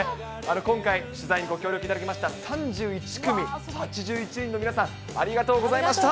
今回、取材にご協力いただきました、３１組８１人の皆さん、ありがとうございました。